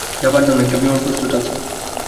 যাবার জন্য একটা বিমান প্রস্তুত আছে।